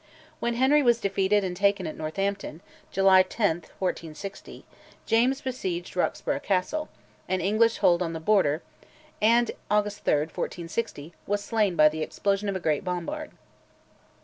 When Henry was defeated and taken at Northampton (July 10, 1460), James besieged Roxburgh Castle, an English hold on the Border, and (August 3, 1460) was slain by the explosion of a great bombard.